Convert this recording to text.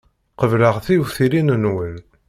Qebleɣ tiwtilin-nwen.